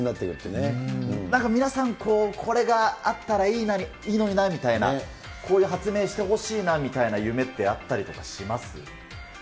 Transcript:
なんか皆さん、これがあったらあったらいいのになみたいな、こういう発明してほしいなみたいな夢ってあったりとかします？